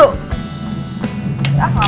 udah lah mau